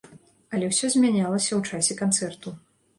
Але ўсё змянялася ў часе канцэрту.